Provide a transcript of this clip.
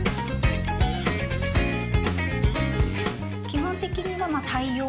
基本的に。